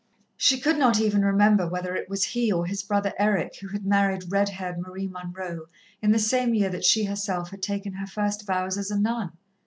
She could not even remember whether it was he or his brother Eric who had married red haired Marie Munroe in the same year that she herself had taken her first vows as a nun.